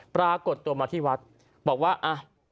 ปรากฏตัวมาที่วัดบอกว่าอ่ะ